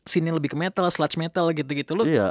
scene yang lebih ke metal sludge metal gitu gitu